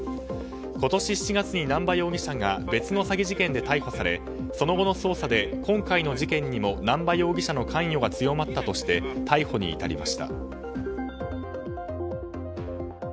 今年７月に南波容疑者が別の詐欺事件で逮捕されその後の捜査で今回の事件にも南波容疑者の関与が強まったとして逮捕に至りました。